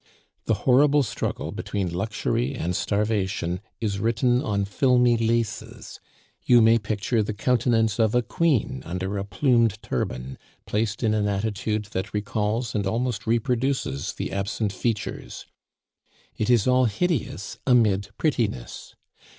The horrible struggle between luxury and starvation is written on filmy laces; you may picture the countenance of a queen under a plumed turban placed in an attitude that recalls and almost reproduces the absent features. It is all hideous amid prettiness!